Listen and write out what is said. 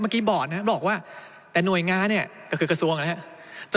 เมื่อกี้บอร์ดบอกว่าแต่หน่วยงานี่ก็คือกระทรวงนะครับ